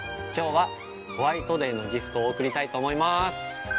今日はホワイトデーのギフトを贈りたいと思います。